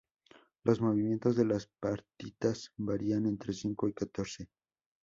Los movimientos de las partitas varían entre cinco y catorce.